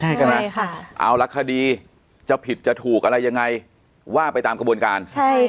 เอาลักษณ์คดีจะผิดจะถูกอะไรยังไงว่าไปตามกระบวนการ